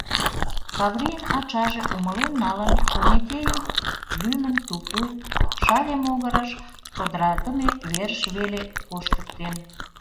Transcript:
Каврийын ачаже умылен налын, понетейым лӱмын тупуй, Шале могырыш, чодырадыме верыш веле, коштыктен...